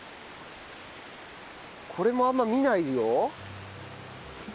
これもあんま見ないよ。